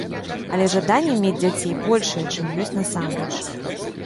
Але жаданне мець дзяцей большае, чым ёсць насамрэч.